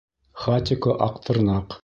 ХАТИКО-АҠТЫРНАҠ